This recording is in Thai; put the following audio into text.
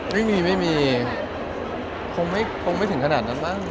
ไม่มีไม่มีไม่มีคงไม่ถึงขนาดนั้นบ้าง